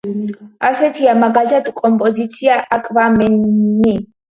ასეთია მაგალითად კომპოზიცია „აკვამენი“.